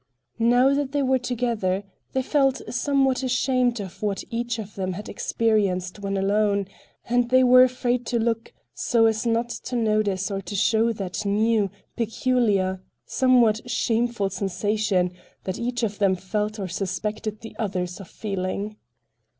Now that they were together, they felt somewhat ashamed of what each of them had experienced when alone; and they were afraid to look, so as not to notice or to show that new, peculiar, somewhat shameful sensation that each of them felt or suspected the others of feeling.